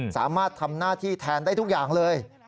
สามารถทำหน้าที่แทนได้ทุกอย่างเลย